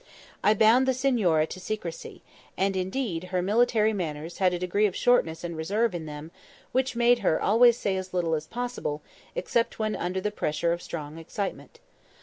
I bound the signora to secrecy; and indeed her military manners had a degree of shortness and reserve in them which made her always say as little as possible, except when under the pressure of strong excitement.